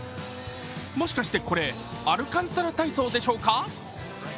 もしかして、これ、アルカンタラ体操でしょうか？